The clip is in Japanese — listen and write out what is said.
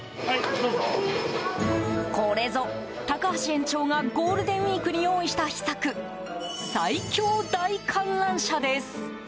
これぞ、高橋園長がゴールデンウィークに用意した秘策最恐大観覧車です。